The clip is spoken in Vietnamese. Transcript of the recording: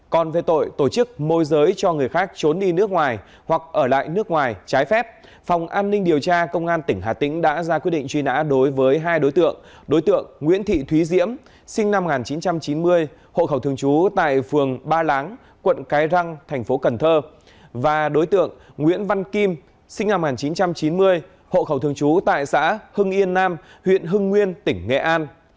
còn về tội tổ chức môi giới cho người khác trốn đi nước ngoài hoặc ở lại nước ngoài trái phép phòng an ninh điều tra công an tỉnh hà tĩnh đã ra quyết định truy nã đối với hai đối tượng đối tượng nguyễn thị thúy diễm sinh năm một nghìn chín trăm chín mươi hộ khẩu thường trú tại phường ba láng quận cái răng thành phố cần thơ và đối tượng nguyễn văn kim sinh năm một nghìn chín trăm chín mươi hộ khẩu thường trú tại xã hưng yên nam huyện hưng nguyên tỉnh nghệ an